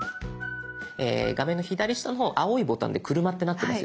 画面の左下の方青いボタンで「車」ってなってますよね。